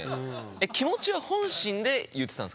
え気持ちは本心で言ってたんですか？